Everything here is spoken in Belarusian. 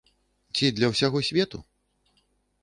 Ці для ўсяго свету?